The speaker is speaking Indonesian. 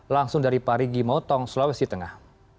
langsung dari parigi motong sulawesi tengah